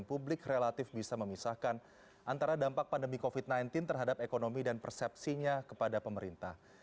publik relatif bisa memisahkan antara dampak pandemi covid sembilan belas terhadap ekonomi dan persepsinya kepada pemerintah